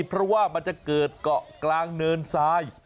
เพราะว่ามันจะเกิดเกาะกลางเนินทราย